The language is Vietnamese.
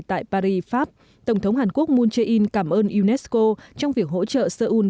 tại paris pháp tổng thống hàn quốc moon jae in cảm ơn unesco trong việc hỗ trợ seoul